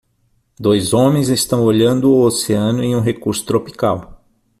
Dois homens estão olhando o oceano em um recurso tropical.